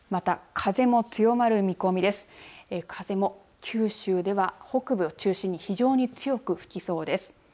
風も九州では北部を中心に非常に強く吹きそうです。